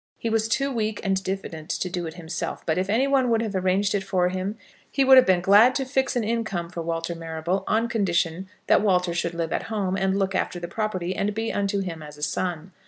He was too weak and diffident to do it himself; but if any one would have arranged it for him, he would have been glad to fix an income for Walter Marrable on condition that Walter should live at home, and look after the property, and be unto him as a son.